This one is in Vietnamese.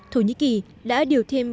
thổ nhĩ kỳ đã điều thêm